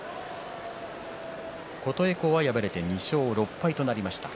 琴恵光は敗れて２勝６敗となりました。